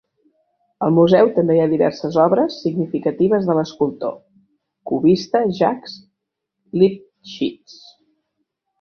Al museu també hi ha diverses obres significatives de l'escultor cubista Jacques Lipchitz.